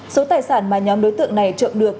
số tài sản mà nhóm đối tượng này trộm được